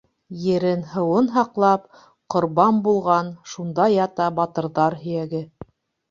Ерен-һыуын һаҡлап, ҡорбан булған Шунда ята батырҙар һөйәге.